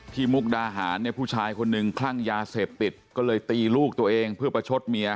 มุกดาหารเนี่ยผู้ชายคนหนึ่งคลั่งยาเสพติดก็เลยตีลูกตัวเองเพื่อประชดเมีย